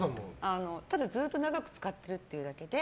ただ、ずっと長く使ってるってだけで。